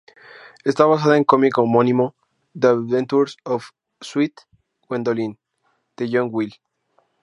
Esta basada en cómic homónimo "The Adventures of Sweet Gwendoline" de John Willie.